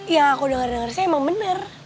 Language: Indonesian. ya aku denger dengar sih emang bener